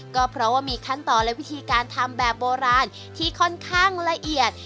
ก็เพราะว่ามีขั้นตอนและวิธีการทำแบบโบราณที่ค่อนข้างละเอียด